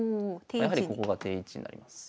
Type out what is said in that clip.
やはりここが定位置になります。